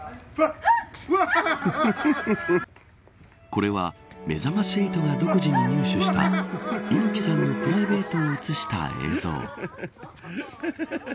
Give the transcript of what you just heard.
これはめざまし８が独自に入手した猪木さんのプライベートを映した映像。